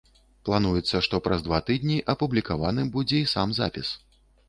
Плануецца, што праз два тыдні апублікаваным будзе і сам запіс.